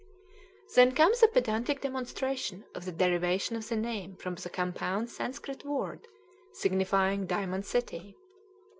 Then comes a pedantic demonstration of the derivation of the name from a compound Sanskrit word, signifying "Diamond City."